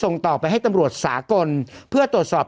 ส่งต่อไปให้ตำรวจสากลเพื่อตรวจสอบ